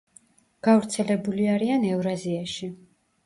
გავრცელებული არიან ევრაზიაში.